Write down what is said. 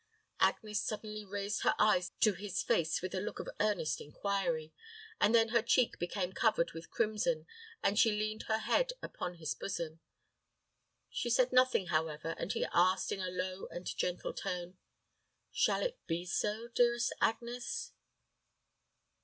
Agnes suddenly raised her eyes to his face with a look of earnest inquiry, and then her cheek became covered with crimson, and she leaned her head upon his bosom. She said nothing, however, and he asked, in a low and gentle tone, "Shall it be so, dearest Agnes?"